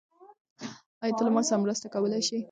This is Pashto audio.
آیا ته له ما سره مرسته کولی شې؟